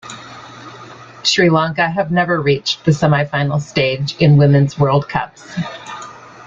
Sri Lanka have never reached the semi-final stage in women's World Cups.